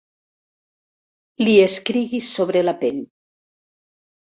Li escrigui sobre la pell.